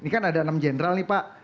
ini kan ada enam jenderal nih pak